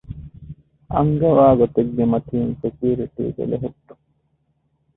އަންގަވާގޮތެއްގެމަތީން ސެކިއުރިޓީ ބެލެހެއްޓުން